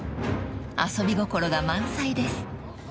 ［遊び心が満載です］